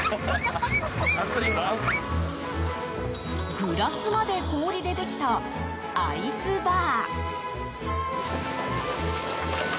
グラスまで氷でできたアイスバー。